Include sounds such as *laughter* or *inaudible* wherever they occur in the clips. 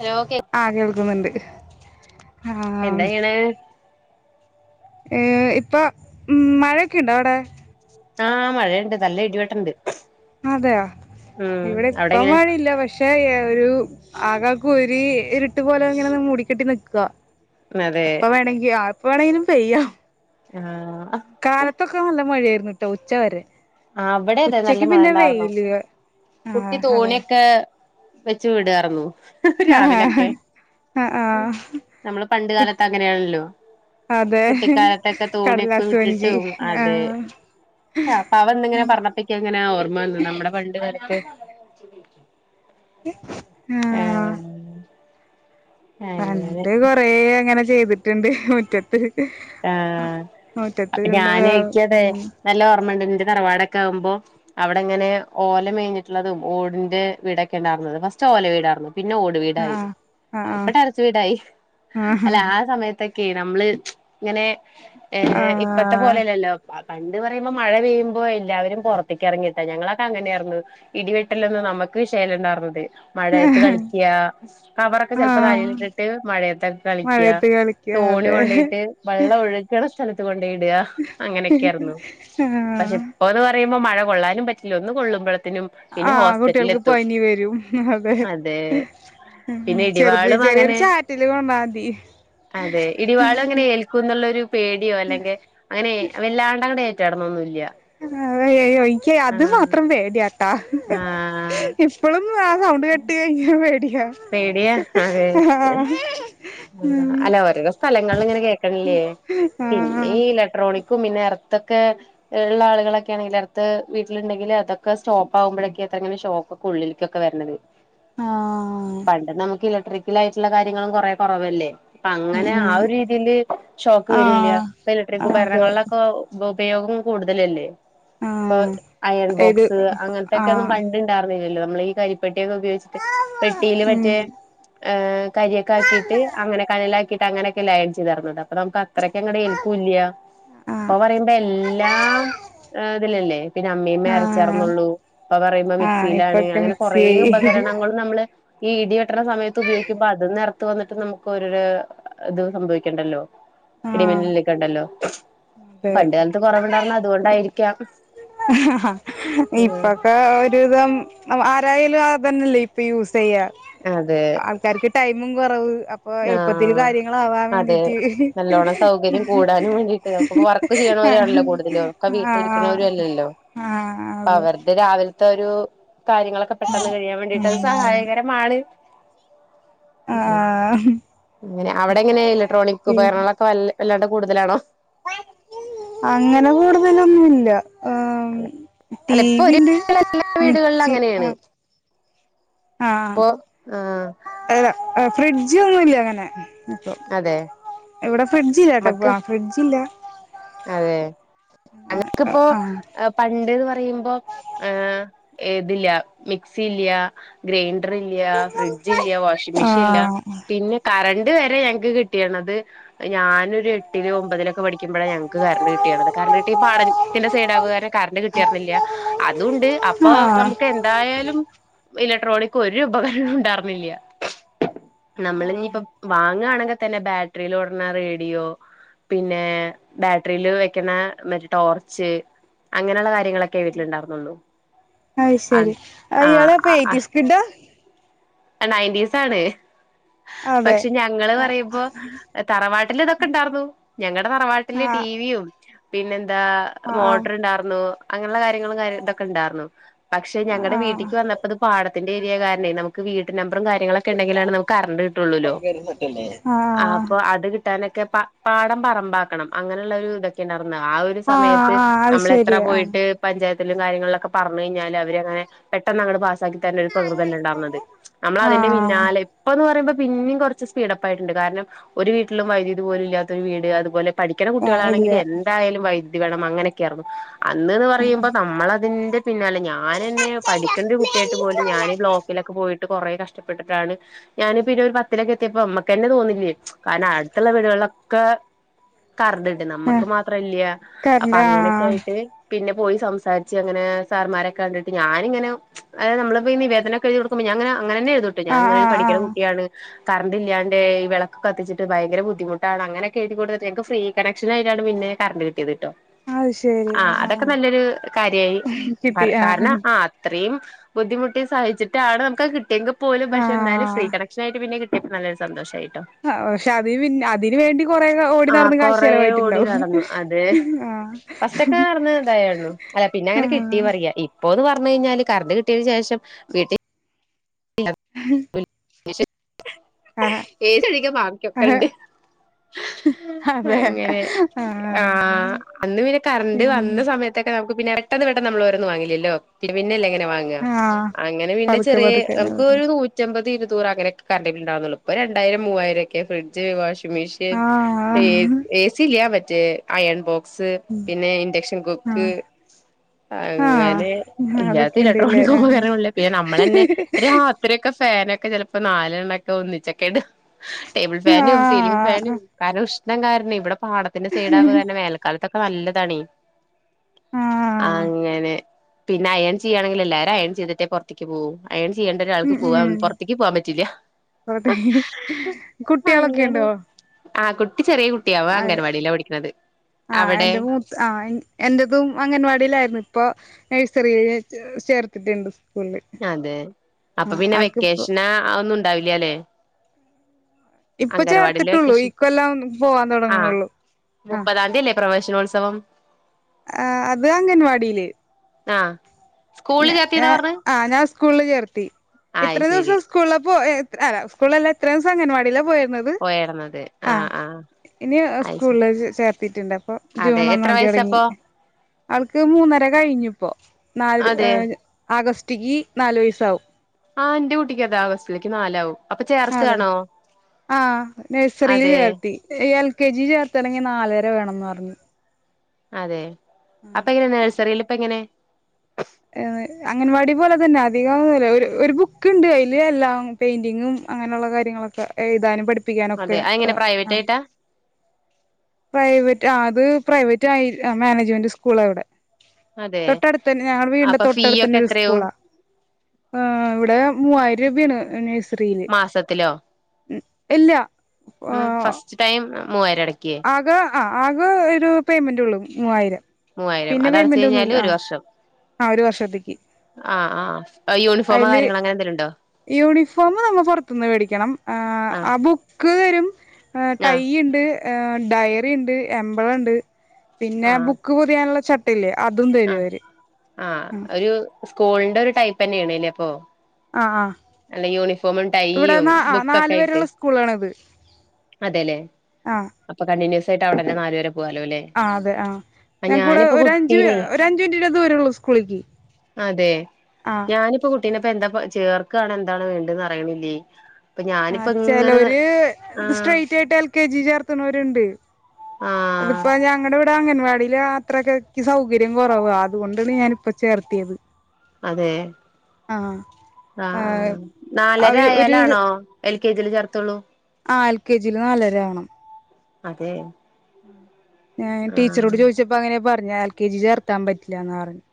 Hello കേ ആഹ് കേൾക്കുന്നുണ്ട് ആഹ എന്താ ചെയ്യണ് ഏ ഇപ്പൊ മഴയൊക്കെുണ്ടോ അവിടെ ആഹ മഴയുണ്ട് നല്ല ഇടിവെട്ടുണ്ട്. അതെയ ഉം ഇവിടെ അവിടെ ഇപ്പം എങ്ങനെ മഴയില്ല പക്ഷേ പക്ഷേ ഒരു ആകെ കൂരി ഇരിട്ട് പോലെ ഇങ്ങനെ മൂടിക്കെട്ടി നിൽക്കുവ. അതെ അപ്പ വേണെങ്കി ആ എപ്പവേണങ്കിലും പെയ്യാം. ആഹ് കാലത്തൊക്ക നല്ല മഴയാരുന്നു എന്നിട്ട് ഉച്ച വരെ ആ അവിടെ അതെ നല്ല ഉച്ചക്ക് പിന്നെ മഴണ്ടായിരുന്നു വെയില് കുട്ടി ആഹ് അതെ തോണിയൊക്കെ- വെച്ചു വിടാർന്നു രാവിലൊക്കെ ആഹ് ആഹ് നമ്മള് പണ്ട കാലത്ത് അങ്ങനെയാണല്ലോ അതെ കുട്ടിക്കാലത്തൊക്കെ തോണിയൊക്കെ കടലാസ് വഞ്ചി വിട്ടിട്ടും അതെ- ആഹ് പാവന്നിങ്ങനെ പറഞ്ഞപ്പിക്കാ എങ്ങനെ ഓർമ്മവന്ന് നമ്മുടെ പണ്ടുകാലത്ത് *inaudible* *inaudible* ഏ ആഹ് പണ്ട് കൊറെ അങ്ങനെ- ചെയ്തിട്ടുണ്ട് മുറ്റത്ത് ആ മുറ്റത്ത് അപ്പ കൊണ്ട് ഞാന് എനിക്കത് ഉം നല്ല ഓർമ്മുണ്ട് ന്റെ തറവാടൊക്കെ ആക്പോ അവിടെങ്ങനെ ഓല മേഞ്ഞിട്ടുള്ളതും ഓടിന്റെ വീടൊക്കെ ഉണ്ടായിരുന്നത് ഫസ്റ്റ് ഓല വീട് ആരുന്നു പിന്നെ ഓട് വീടായി ആഹ് ഇപ്പ ആഹ് ടറസ് വീടായി ആഹ് അല്ല ആ സമയത്ത് അതക്കെ നമ്മള്- ഇങ്ങനെ- ഏ ഇപ്പത്തെ ആഹ് പോലെല്ലല്ലോ പണ്ട് പറയുമ്പോ മഴ പെയ്യുമ്പോ എല്ലാവരും പുറത്തേക്ക് ഇറങ്ങിട്ടാ ഞങ്ങളൊക്കെ അങ്ങനെയ ആയിരുന്നു ഇടി വെട്ടല്ലലൊന്നും നമുക്ക് വിശയം ഉണ്ടായിരുന്നത് മഴയത്ത് കളിക്കുക കവറൊക്കെ ചെലപ്പോ ആഹ് തലയിലിട്ടിട്ട് മഴയത്തക്കെ കളിക്കുക മഴയത്ത് കളിക്ക തോണി അതെ കൊണ്ടയിട്ട്- ക്ക് വള്ളം ഒഴുകണ സ്ഥലത്ത്കൊ ണ്ടേ ഇടാ അങ്ങനെക്കാർന്നു പക്ഷേ ആഹ് ഇപ്പൊന്ന് പറയു മഴ കൊള്ളാനും പറ്റില്ലോ ഒന്ന് കൊള്ളുമ്പോഴ ആ കുട്ടികൾക്ക് പനി വരും അതെ. ഉം പിന്നെ ചെറുത് ഇടിവാളും ചെറിയൊരു അങ്ങനെ ചാറ്റല് വന്നാ മതി അതെ ഇടിവാളും അങ്ങനെ ഏൽക്കുന്നുള്ളൊരു പേടിയോ അല്ലെങ്കിൽ അങ്ങനെ അവല്ലാണ്ട് അങ്ങ്ടെ ക്കെടന്നൊന്നുംല്ല്യ *unintelligible* ക്കേ അത് മാത്രം പേടിയ ആഹ് ആഹ് ഇപ്പോളും ആ സൗണ്ട് കേട്ട് കഴിഞ്ഞ പേടി പേടിയ അതെ. ആ ഉം അല്ല ഓരോരോ സ്ഥലങ്ങള ഇങ്ങനെ കേക്കണില്ലേ പിന്നെ ആഹ് ഈ ഇലക്ട്രോണിക്കും പിന്നെ എർത്ത് ക്കെ ഉള്ള ആളുകളൊക്കെ ആണെങ്കിൽ അടുത്ത് വീട്ടിലുണ്ടെങ്കിൽ അതൊക്കെ സ്റ്റോപ്പ് ആകുമ്പോഴൊക്കെ അത്രങ്ങനെ ഷോക്ക് ഒക്കെ ഉള്ളിലേക്കൊക്കെ വരണത് ആഹ് പണ്ട് നമുക്കില റിക്കൽ ആയിട്ടുള്ള കാര്യങ്ങളും കൊറെ കൊറവല്ലേ അപ്പ അങ്ങനെ ആ ഉം ഒരു രീതിയില് ഷോക്ക് ഉം വരൂല്ല ആഹ് ഇപ്പ ഇലക്ട്രിക് അതെ ഉപകരണങ്ങളിലൊക്കെ ബോ ഉപയോഗം കൂടുതലല്ലേ ഇപ്പൊ ആഹ് അയൺ ഇത് ബോക്സ് അങ്ങനത്തൊക്കെ ഒന്നും ആഹ് പണ്ട്ണ്ടായിരുന്നില്ലല്ലോ നമ്മളീ കരിപ്പെട്ടിയൊക്കെ ഉപയോഗിച്ചിട്ട് *unintelligible* മറ്റേ ഉം ഏഹ് കരിയൊക്കെ ആക്കീട്ട് അങ്ങനെ കനലാക്കി ക്കീട്ട് അങ്ങനൊക്കെയല്ലേ അയൺ ചെയ്താർന്നത് അപ്പൊ നമുക്ക് അത്രങ്ങട് ഏൽക്കൂല്ല ഇപ്പൊ ആഹ് പറയുമ്പോ എല്ലാം ഇതിലല്ലേ പിന്നെ അമ്മീമ്മേ ആഹ് അരച്ചാർന്നുള്ളൂ ഇപ്പൊ പറയുമ്പോ ആഹ് മിക്സിയിലാണ് ഇപ്പൊക്കെ അങ്ങനെ കൊറേ മിക്സിയായി ഉപകരണങ്ങളും നമ്മള് *unintelligible* ഇത്ര സമയത്ത് ഉപയോഗിക്ക്മ്പോ അത് എർ ത്ത് വന്നിട്ട് നമുക്ക് ഒരോരോ ഇത് സംഭവിക്ക്ണ്ടല്ലോ ആഹ് ഇടിമിന്നലൊക്കെ ഒണ്ടല്ലോ അതെ പണ്ട് കാലത്ത് കൊറവുണ്ടാർന്നേ അതുകൊണ്ടായിരിക്കാം ഉം ന്തായാലും ആ അതന്നെയല്ലേ ഇപ്പ യൂസ് ചെയ്യാ അതെ ആൾക്കാർക്ക് ടൈം മും കൊറവ് അപ്പൊ എളുപ്പത്തില് കാര്യങ്ങളാവാൻ വേണ്ടീട്ട് നല്ലൊണം സൗകര്യം കൂടാനും വേണ്ടീട്ട് അപ്പക്ക വർക്ക് ചെയ്യ്ണോരാണല്ലോ കൂടുതലും ഒക്ക ആഹ് വീട്ടിലിരിക്ക്ണോരു അല്ലല്ലോ ആഹ് അപ്പ അതെ അവര്ടെ രാവില ത്തൊരു കാര്യങ്ങളൊക്ക പെട്ടെന്ന് കഴിയാൻ വേണ്ടിട്ട് അത് ഉം സഹായകരമാണ് ആ.. ങ്ങനെ അവിടെ എങ്ങനെ ഇലക്ട്രോണിക് ഉപകരണങ്ങളൊക്കെ വല്ല് വല്ലാണ്ട് കൂടുതലാണോ അങ്ങനെ കൂടുതലൊന്നുല്ലാ അല്ല ഇപ്പ ഒര് വിധ എല്ലാ വീട്കൾല് മിക്സി അങ്ങനെയാണ് ആഹ് ഇപ്പൊ ആ അ ഫ്രിഡ്ജ് ഒന്നുല്ല അങ്ങനെ അപം അതെ ഇവിടെ ഫ്രിഡ്ജില്ലട്ടോ നമ്മക്ക് ഫ്രിഡ്ജ്ല്ല അതെ ആഹ് അന്ക്ക്പ്പോ പണ്ട്ന്ന് പറ റീമ്പം ഏ ഏത് ല്ല മിക്സി ഇല്ല ഗ്രെയ്ൻ ഡ്രില്ല ഫ്രിഡ്ജ് ഇല്ല വാഷിംഗ്‌ മിഷിൻ ഇല്ല ആഹ് പിന്നെ കറണ്ട് വെ ഇത് ഞങ്ങ്ക്ക് കിട്ടീണത് ഞാനൊരു എട്ടിലോ ഒമ്പതിലൊക്കെ പഠിക്കുമ്പഴാ ഇക്ക് കരണ്ട് കിട്ടിയാണല്ലെ കരണ്ട് കിട്ടി പാട വിക്ക്ന്റെ സൈഡാവ് കാര കരണ്ട് കിട്ടിയെര്ന്നില്ല അതൂണ്ട് അപ്പൊ ആഹ് നമുക്ക് എന്തായാലും ഇലക്ട്രോണിക് ഒരു ഉപകരണം ഉണ്ടാർന്നില്യ നമ്മൾ ആഹ് ഇഞ്ഞിപ്പ വാങ്ങാണെ ഒക്കെ തന്നെ ബാറ്ററിൽ ഓടുന്ന റേഡിയോ പിന്നെ ബാറ്ററിൽ വെക്കണ മറ്റേ ടോർച്ച് അങ്ങനുള്ള കാ അതു ശെരി ഇയാളപ്പോ എയ്ടീസ് കിഡ് ആ? നയന്റീസ് ആണ് അതെ പക്ഷെ ഞങ്ങള് ആഹ് പറയുമ്പോ തറവാ ഇതൊക്കെ ഉണ്ടാർന്നു ഞങ്ങ നമ്മടെ തറവാട്ടില് ടിവിയും പിന്നെൻ ന്താ ആഹ് ആഹ് മോട്ടർ ഇണ്ടാരുന്നു അങ്ങനെയുള്ള കാര്യങ്ങളും കാര്യ തൊക്കെ ഉണ്ടാരുന്നു. പക്ഷെ ഞങ്ങളടെ ആഹ് വീട്ടിക്ക് വന്നപ്പോ അത് പാട ന്റെ ഏരിയ കാരണേ നമക് വീട്ട്ന മ്പറും കാര്യങ്ങളൊക്കെ ഉണ്ടെങ്കിലാണ് നമുക്ക് കറണ്ട് കിട്ടുള്ളല്ലോ ആഹ് അപ്പൊ അത് കി ട്ടാനൊക്കെ പ പാടം പറമ്പാക്കണം അങ്ങനെ ഒരു ഇതൊക്കെയാണ്. ആ ഒരു സമയത്ത് ആഹ് അത് നമ്മൾ എത്ര ശരി ആഹ് പോയിട്ട് പഞ്ച ത്തിലും കാര്യങ്ങളിലൊക്കെ പറഞ്ഞ് കഴിഞ്ഞാല് അവര് പെട്ടന്നങ്ങട് പാസാ സാക്കി തരുന്ന ഒരു പ്രകൃതല്ല ഉണ്ടായിരുന്നത്. നമ്മൾ അതിന്റെ ആഹ് പിന്നാലെ ഇപ്പന്ന് പറയുമ്പോ പിന്നെയും കുറച്ച് സ്പീഡപ്പ് ആയിട്ടുണ്ട് കാരണം ഒരു വീട്ടിലും വൈദ്യുതി പോലും ഇല്ലാത്ത ഒരു വീട് അതുപോലെ പഠിക്കണ ആഹ് കുട്ടികളാണെങ്കിൽ ഇല്ല എന്തായാലും വൈ ദ്യുതി വേണം അങ്ങനെയൊക്കെയായിയിരുന്നു. അന്ന്ന്ന് പറയുമ്പോ നമ്മളതിന്റെ പിന്നുല്ല ഞാനെന്നേ പഠിക്കണ്ട ഒരു കുട്ടിയായിട്ട് പോലും ഞാൻ ബ്ലോക്കിലൊക്കെ പോയി കൊറേ കഷ്ടപ്പെട്ടിട്ടാണ് ഞാന് പിന്നെ ഒരു പത്തിലൊക്കെ എത്തിയപ്പോ മ്മക്കന്നെ തോന്നില്ലേ കാരണം അടുത്തുള്ള വീടുകളിലൊക്കെ കറണ്ടിണ്ട് നമ്മക്ക് മാത്രം ഇല്ലാ അപ്പോ കറണ്ട് അങ്ങനൊക്കെ ആഹ് ആയിട്ട് പിന്നെ പോയി സംസാരിച്ച് അങ്ങനെ സാറുമാരൊക്കെ കണ്ടിട്ട് ഞാനിങ്ങനെ അതായത് നമ്മളിപ്പോ നിവേദനൊക്കെ എഴുതി കൊടുക്കുമ്പോ ങ്ങനെ അങ്ങനെന്നെആയിരുന്നു ഞാൻങ്ങനെ ഒരു ആഹ് ആഹ് പഠിക്കുന്ന ആഹ് കുട്ടിയാണ് കറണ്ട് ഇല്ലാണ്ട് ഈ വിളക്കൊക്കെ കത്തിച്ചട്ട് ഭയങ്കര ബുദ്ധിമുട്ടാണ് അങ്ങനെക്കെ എഴുതികൊ ടുത്തിട്ട്ഞങ്ങക്ക് ഫ്രീ കണക്ഷനായിട്ടാണ് പിന്നെ കറണ്ട് കി ട്ടോ അത് ശരി ആ അതൊക്കെ ആഹ് നല്ലൊരു കാര്യമായി പറ കിട്ടി ആഹ് കാരണം ആ അത്രയും ബുദ്ധിമുട്ടി സഹിച്ചിട്ടാണ് നമുക്ക കി എങ്കം പോലും പക്ഷെ എന്നായാല ഫ്രീ ആഹ് കണക്ഷനായിട്ട് പിന്നെ കി ഇ നല്ലൊ സന്തോഷമായി ആ പക്ഷെ അതി പിന്നെ അതിന് വേണ്ടി കൊറേ ഓടി ആ നടന്ന് കൊറേ ഓടി കാശലായിട്ടുണ്ടാവും നടന്നു അതെ ആ ഫസ്റ്റൊക്കെ നടന്ന് ആ ഹ് അപ്പോ എന്ന് പറഞ്ഞു കഴിഞ്ഞാല് കറണ്ട് കിട്ടിയതിന് ശേഷം വീട്ടിൽ *unintelligible* *unintelligible* ആഹ് ആഹ് ഏത് ചടിക്ക ബാക്കിയൊക്കെ ഇണ്ട് ആഹ് അതെ അങ്ങനെ ആ ആഹ് അന്ന് പിന്നെ കറണ്ട് ഉം വന്ന സമയത്തൊക്കെ നമുക്ക് പിന്ന പെട്ടെന്ന് പെട്ട നമ്മൾഓരോന്ന് വാങ്ങില്ലല്ലോ പിന്നല്ലെ വാങ്ങാം ആഹ് അങ്ങനെ പിന്നെ പതുക്കെ ചെറിയ പതുക്കെ നമുക്ക് ഒരു നൂറ്റമ്പത് ഇരു നൂറ് അങ്ങനൊക്കെ കരണ്ടുബിൽലാവുന്നുള്ളു ഇപ്പൊ രണ്ടായിരം മൂവായിരംക്കെ ഫ്രഡ്ജ് വാഷ് മിഷ്യൻ എ ആഹ് എസില്യ റ്റെ അയൺ ബോക് സ് പിന്നെ ഇന്റക്ഷൻ കുക്ക് ആഹ് അങ്ങനെ ആഹ് ഇല്ലാത്ത അതൊക്കെയുണ്ട്ല്ലേ ഇലക്ട്രോണിക് ആഹ് ഉപകരണം പിന്നെ നമ്മൾ തന്നെ അത്രയൊക്കെ ഫാനൊക്കെ ചിലപ്പോ നാലെണ്ണക്കെ ഒന്നിച്ചൊക്കെ ഇടും ടേബിൾ ഫാനും സീലിംഗ് ഫാനും ആഹ് കാരോഷ് എന്താ കാരണം ഇവിടെ പാടത്തിന്റെ സൈഡാവുക തന്നെ വേനൽക്കാലത്തൊ നല്ലതാണീ ആഹ് അങ്ങനെ പിന്നെ അയൻ ചെയ്യുകണെങ്കി എല്ലാരും അയൻ ചെയ്തിട്ടേ പുറത്തേക്ക് പോവൂ ഏ ചെയ്യേണ്ടൊരാൾക്ക് ഉം ഉം പോവാം പുറത്തേക്ക് പോവാൻ പറ്റില്ലാ അങ്ങനേ ആ കുട് അ ആ അവിടെ എന്റെ മൂത്ത് ആ എൻ്റതും അംഗൻവാടീലാര്ന്ന് ഇപ്പൊ നഴ്സറീല് ചേർത്തിട്ടിണ്ട് അതെ അപ്പൊ പിന്നെ ആൾക്കിപ്പോ വെക്കേഷനാ ഒന്നുണ്ടാവി ല്ല്യാലേ ഇപ്പൊ ചേർത്തിട്ടുള്ളു വെക്കേഷൻ ഇക്കൊല്ലം പോവാൻ ആഹ് തൊടങ്ങ്ണൊള്ളൂ ആ ത്സവം ആ അത് അംഗൻവാടീല് ആ സ്കൂൾല് ചേർത്തീന്നാ പർഞ്ഞ് സ്കൂൾല് ചേർത്തീ ഇത്ര ദിവസം സ്കൂളിലപ്പോ ഏ അല്ല സ്കൂൾലല്ലാ ഇത്രേസം അംഗൻവാടീലാ പോയേ പോയായിരുന്നത് *unintelligible* ആ ആഹ് ആഹ് ഇനി അയ് ശരി സ്കൂൾലേക്ക് ചേർത്തിട്ടുണ്ട് അപ്പൊ അതെ ജൂൺ എത്ര ഒന്നാതി തൊടങ്ങി വയസ്സാപ്പോ ആൾക്ക് മൂന്നര കഴിഞ്ഞു പ്പോ ഏ അതെ ആഗസ് *unintelligible* നാല് വയസ്സാവും ആ എന്റെ കുട്ടിക്ക് അതാ ആഗസ്റ്റിലേക്ക് നാലാവും അപ്പൊ ചേർത്താണോ ആ നഴ്സറീല് അതെ ചേർത്തി എൽ കെ ജി ചേർത്തണെങ്കി നാലര വേണംന്ന് പറഞ്ഞു അതെ അപ്പൊ എങ്ങനെ നേഴസറീല്ല് ഇപ്പ എങ്ങനെ ഏ അംഗൻവാടി പോല തന്ന അധികൊന്നൂല്ലാ ഒര് ഒരു ബുക്കിണ്ട് അതില് എല്ലാം പെയിന്റിങ്ങും അങ്ങനൊള്ള കാര്യങ്ങളൊക്കെ എഴുതാനും പഠി അതെ അതെങ്ങനെ പ്രൈവറ്റ് ആയിട്ടാ പ്രൈവറ്റ് ആ അത് പ്രൈവറ്റ് ആയി മാനേജ്മെന്റ് സ്കൂളാ അവിടെ അതെ തൊട്ടടുത്തന്നെ ഞങ്ങളുടെ വീടിന്റെ അപ്പൊ ഫീ തൊട്ടടുത്തന്നെ ഒക്കെ ഒരു എത്രയാവും സ്കൂളാ ആ ഇവിടെ മൂവായിരം രൂപേണ് നേഴ്സ് മാസത്തിലോ ഇല്ല ഉം ആഹ് ഫസ്റ്റ് ടൈം ഉം മൂവായി എടക്യേ ആകെ ആഹ് ആകെ ഒരു പേയ്‌മെന്റ് ഉള്ളു മുവ്വായിരം മൂവായിരം പിന്നെ അത് അടച്ച് പേയ്‌മെന്റ് കഴിഞ്ഞാല് ഒന്നുല്ല ഒരു ആഹ്. വർഷം ആ ഒരു വർഷത്ക്ക്‌. ആഹ് ആഹ് യൂണിഫോമോ അയില് കാര്യങ്ങളോ അങ്ങനെ എന്തെലും ഉണ്ടോ യൂണിഫോമ് നമ്മ പുറത്ത്ന്ന് വേടിക്കണം. ആഹ്. ആബുക്ക്‌ ആഹ് ടൈ ഇണ്ട് ഡയറി ഇണ്ട് എമ്പളം ഇണ്ട് പിന്നെ ആഹ് ബുക്ക് പൊതിയാനുള്ള ച ട്ടില്ല്യ ആഹ് ആഹ് ഒരൂ സ് കോളിന്റെ ഒരു ടൈപ്പന്നേണ്ലെ അപ്പോ ആ ആഹ് അല്ല യൂണിഫോമും ടയ്യും ബുക്കൊക്കെ നാല് ആയിട്ട് വരെയുള്ള സ്കൂളാണിത് അതെലെ ഇപ്പ കണ്ടിനുസ്സായിട്ട് അവിടെന്നെ നാല് വരെ പോവാലോല്ലേ ആഹ് അതെ ആഹ് ആഹ് ഞങ്ങക്കിവിടെ ഞാനിപ്പോ ഒരു അജ്ജ് കുട്ടീനെ അഞ്ചു മിനിറ്റിന്റെ ദൂരൊള്ളു സ്കൂളിക്ക് ആഹ് കുട്ടിനെ ഇപ്പൊ എന്താപ്പോ ചേർക്കാണ് എന്താണ് വെണ്ടേന്ന് അറിയിണില്ലേ ആ ചെലോര് ആഹ് സ്ട്രൈറ്റായിട്ട് എൽ കെ ജി ചേർ ത്ണോരുണ്ടയ് ആഹ് ഇതിപ്പൊ അംഗൻവാടിയില് അ ത്രകക്ക് സൗകര്യം കുറവ അതുകൊണ്ടാണ് ഞാനിപ്പോ ചേർത്തിയത അതേഹ് ആഹ് നാലര അവര് ഒരു കെജി ല് ചേർതൊള്ളു ആഹ് എൽ കെ ജീല് നാലര ആവണം അതേഹ് ഉ ഞാൻ ടീച്ചറോട് ചോദിച്ചപ്പോ അങ്ങനെ പർ ഞ്ഞാ ൽ കെ ജി ചേർത്താൻ പറ്റില്ലാന്ന റഞ്ഞെ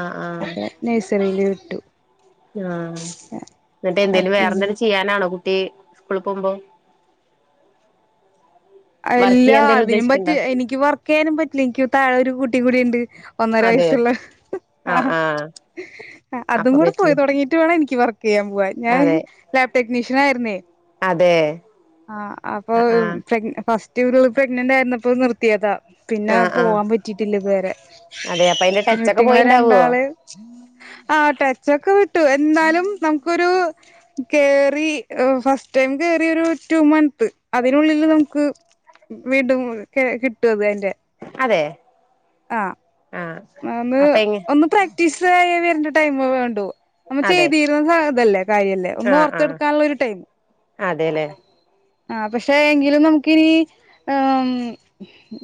ആഹ് ആഹ് *unintelligible* നൈസറീല് ട്ടു ആഹ് ന്ന്ട്ട് എന്തേലും പിന്നെ വേറെന്തേലും ചെയ്യാനാണോ കുട്ടീ സ്കൂളിക്ക് പോവുമ്പോ വർക്ക് അല്ലാ ചെയ്യാൻ എന്തേലും അതിനും ഉദ്ദേശിക്കണ്ടോ പറ്റും എനിക്ക് വർക്കീയ്യാനും പറ്റ്‌ല എനിക്ക് തായൊരു കുട്ടി കൂടിഇണ്ട് ഒന്നര അതെ വയസ്സുള്ള ആഹ് അതും അപ്പൊ കൂടെ പോയി പറ്റില്ലേ തുടങ്ങീട്ട് വേണം എനിക്ക് വർക്കിയ്യാൻ പോവാൻ അതെ ടെക്നീഷ്യനായിരുന്നേ അതെ ആഹ് അപ്പൊ ആഹ് ആഹ് പ്രെഗ്ന ഫസ്റ്റ് ഇവരുകൾ പ്രഗ്നന്റ് ആരുന്നപ്പോ നിർത്തിയതാ പിന്നെ ആഹ് ആഹ് പോവാാൻ പറ്റീട്ടില്ല ഇത് വരെ അതെ അപ്പൊ അയിന്റെ ടച്ചൊക്കെ നൂറ്റിങ്ങളെ പോയിണ്ടാവോ രണ്ടാളെയും ആ ട്ടച്ചൊക്കെ വിട്ടു എന്നാലും നമുക്കൊരു കേറി ഏഹ് ഫസ്റ്റ് ടൈം കേറി ഒരു റ്റു മന്ത് അതിനുള്ളില് നമുക്ക് വീണ്ടും കെ കിട്ടുവതിന്റെ അതെ ആഹ് ആഹ് നന്ന് അപ്പൊ എങ്ങ ഒന്ന് പ്രാക്ടീസ് ദായി വരണ്ട ടൈമ വേണ്ടൂ നമ്മ അതെ ചെയ്തീരുന്ന തല്ലേ കാര്യല്ലേ ഒന്ന് ആഹ് ഓർത്തെ ആഹ് എടുക്കാനുള്ള ഒരു ടൈം അതെല്ലേ ആ പക്ഷെ എങ്കിലും നമുക്കിനി ഉം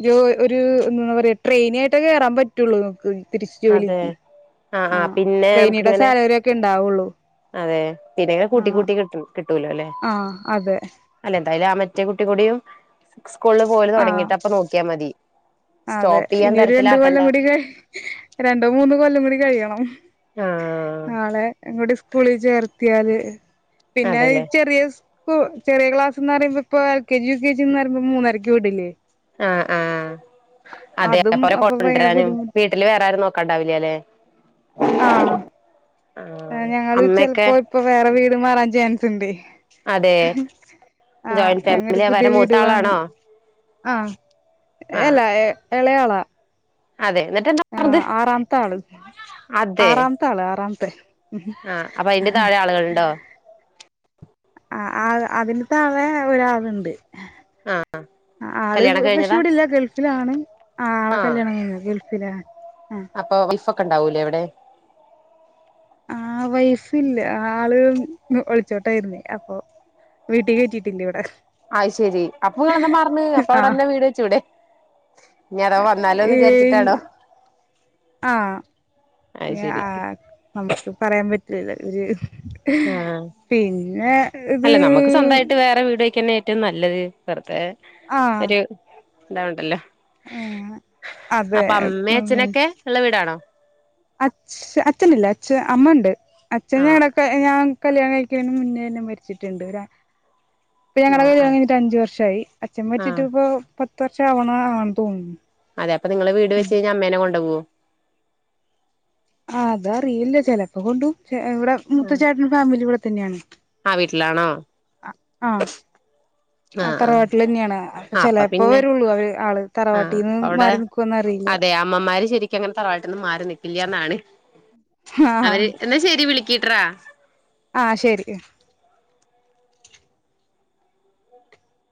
രു ഒരു എന്താ പറയാ ട്രെയിനി ആയിട്ടാ കേറാൻ പറ്റ റ്റുള്ളൂ നക്ക് അതെ ആ ആ പിന്നെ നമക്ക് ട്രെയിനിയുടെ ഇങ്ങനെ സാലറി ഒക്കെ ഉണ്ടാവുള്ളൂ അതെ പിന്നെ ഇങ്ങനെ കൂട്ടി ആഹ് കൂട്ടി കിട്ടും കിട്ടൂലലെ ആഹ് അതെ അല്ലെ എന്തായാലും ആ മ *unintelligible* സ്കൂളിൽ പോവല് ആഹ് തുടങ്ങീട്ട് അപ്പ നോക്കിയാ മതി അതെ സ്റ്റോപ്പ് ചെയ്യാൻ ഇന രണ്ടു തരത്തിലാക്കണ്ട കൊല്ലം കൂടിക്ക രണ്ടോ മൂന്നോ കൊല്ലം കൂടി കഴിയണം ആഹ് ഹ്മ് നാളെ എങ്ങൂട്ടി സ്കൂളിൽ ചേർ ത്യാല് പിന്നെ അതെല്ലേ ചെറിയ സ് പ്പൂ ചെറിയ ക്ലാസ്ന്ന് റയ്മ്പോ ഇപ്പോ L K G U K G ന്ന്റിമ്പോ മൂന്നരക്ക് വിടില്ലേ ആഹ് ആഹ് അതെ അതും പോലെ അപ്പൊ ഭയങ്കര കൊണ്ട്രാനും ബുദ്ധിമുട്ട് വീട്ടില് വേറെ ആരും നോക്കാണ്ടാവില്യല്ലേ ആഹ് ആ ഞങ്ങള് അമ്മക്കെ ഹ് സ്ണ്ടേ അതെ ജോയിന്റ് ഞങ്ങൊരു ഫാമിലിയാ പുതിയ വരെ വീട് വാങ്ങ മൂത്താളാണോ ആഹ് എല്ലാ ഏ എളേയാളാ അതെ എന്നിട്ട് എന്താ പറഞ്ഞത് ആഹ് ആറാമ്ത്തആള് അതെ ആറാമ്ത്തആള് ആറാം *inaudible* ആഹ് അപ്പൊ അയിന്റെ താഴെ ആളുകളുണ്ടോ *inaudible* ആ ആ അതിന് താഴെ ഒരാള്ണ്ട് ആഹ് ഹ് കല്യാണം ആള്പപക്ഷെ കഴിഞ്ഞതാ ഇവിടെല്ല ഗൾഫിലാണ് ആളെ ആഹ് കല്യാണം കഴിഞ്ഞാ ഗൾഫ് പിനാ അപ്പൊ വൈഫോക്കെ ഉണ്ടാവൂലേവിടെ ആ വൈഫില്ല ആള് ഒളിച്ചോട്ടായിരുന്നേ അപ്പൊ വീട്ടിൽ കറ്റിട്ടില്ല ഇവിടെ ആ് ശെരി അപ്പൊ നിങ്ങെന്താ മ *unintelligible* അപ്പൊ അവിടെന്നെ വീട് വെച്ചൂടെ ഇനി അഥവാ വന്നാലോന്ന് വിചാരിച്ചിട്ടാണോ *unintelligible* ആ അത് ശരി നമുക്ക് പറയാൻ പറ്റില്ല ആഹ് *inaudible* പിന്നെ ഇത് അല്ല നമുക്ക് സ്വന്തമായിട്ട് വേറെ വീട് വെക്കന്നെ ഏറ്റവും നല്ലത് വെറുതെ ആഹ് ഇന്താവണ്ടല്ലോ അങ്ങനെ അതെ അപ്പൊ അമ്മേ ഉം അച്ഛനൊക്കെ ഉള്ള വീടാണോ അഛ അച്ഛനില്ല അച്ഛ അമ്മ ഉണ്ട്. അച്ഛ ആഹ് ഞങ്ങടൊക്കെ ഞാൻ കല്യാണം കഴിക്കണേന് മുന്നേ തന്നെ മരിച്ചിട്ടിണ്ട്. ഇപ്പൊ ഞങ്ങടെ ആഹ് കല്യാണം ആഹ് കഴിഞ്ഞിട്ട് അഞ്ചു വർഷായി അച്ഛൻ മരിച്ചിട്ട് ആഹ് ഇപ്പൊ പ ഷാവണാണെന്ന് തോന്നു. അതെ അപ്പൊ നിങ്ങള് വീട് വെച്ച് കഴിഞ്ഞാ അമ്മേനെ കൊണ്ടോവോ ആ അതറിയില്ല ചെലപ്പോ കൊണ്ടും. ഇവിടെ മുത്ത ചേട്ടന്റെ ഫാമിലി ഇവിടെ തന്നെയാണ് ആഹ് വീട്ടിലാണോ അ ആഹ് തറവാട്ടിൽ തന്നെയാണ് അപ്പൊ ആഹ് ചിലപ്പോ പിന്നെ വരുള്ളൂ അവര് ആള്. ആഹ് തറവാട്ടീന്ന് അവിടെ മാറി നിക്കുവോന്ന് അറിയില്ല അതെ അമ്മമാര് ശരിക്ക അങ്ങനെ തറവാട്ടീന്ന് മാറി നിൽക്കി ല്ല്യാന്നാണ് ആഹ് അവര് എന്നാ ശരി വിളിക്കിട്ട്രാ. ആഹ് ശരി